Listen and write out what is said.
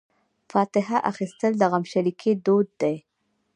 فاتحه اخیستل د غمشریکۍ دود دی.